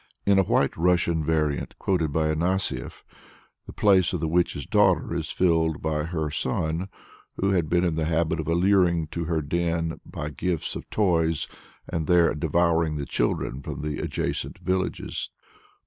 In a White Russian variant quoted by Afanasief (i. p. 118), the place of the witch's daughter is filled by her son, who had been in the habit of alluring to her den by gifts of toys, and there devouring, the children from the adjacent villages.